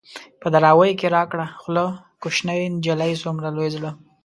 په دراوۍ کې را کړه خوله ـ کوشنۍ نجلۍ څومره لوی زړه